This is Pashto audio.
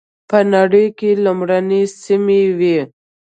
په نړۍ کې لومړنۍ سیمې وې.